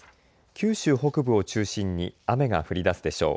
九州北部を中心に雨が降りだすでしょう。